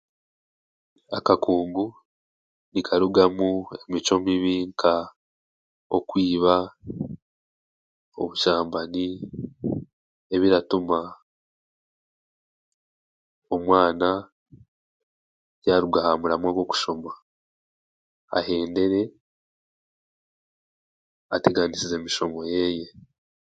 Akakungu nikarugamu emicwe mubi nka okwiba, obushambani ebiratuma omwana yaaruga ha muramwa gw'okushoma, ahendere ateganisize emishomo yeeye.